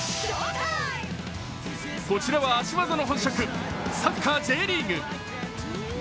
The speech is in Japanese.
こちらは足技の本職、サッカーＪリーグ。